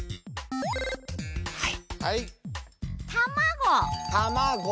はい。